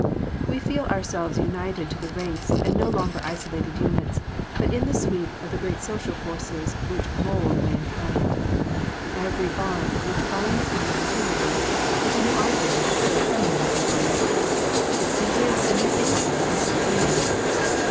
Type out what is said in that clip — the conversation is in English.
We feel our selves united to the race and no longer isolated units, but in the sweep of the great social forces which mould mankind. Every bond which binds man to man is a new argument for the permanence of life itself, and gives a new insight into its meaning.